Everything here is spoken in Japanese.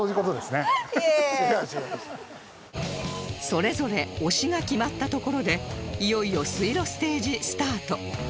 それぞれ推しが決まったところでいよいよ水路ステージスタート！